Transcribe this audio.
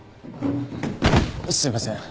すいません。